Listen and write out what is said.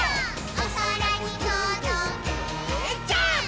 「おそらにとどけジャンプ！！」